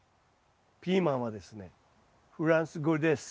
ピーマンはですねフランス語です。